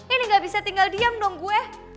ini gak bisa tinggal diam dong gue